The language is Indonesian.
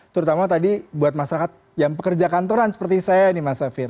terutama tadi buat masyarakat yang pekerja kantoran seperti saya nih mas safir